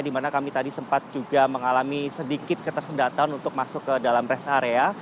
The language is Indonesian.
di mana kami tadi sempat juga mengalami sedikit ketersendatan untuk masuk ke dalam rest area